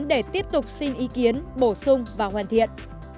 để tiếp tục xin ý kiến bổ sung và hoàn thiện